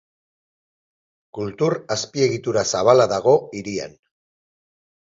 Kultur azpiegitura zabala dago hirian.